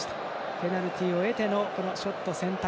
ペナルティを得てのショット選択。